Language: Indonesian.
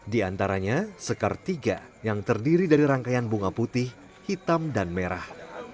di antaranya sekar tiga yang terdiri dari rangkaian bunga putih hitam dan merah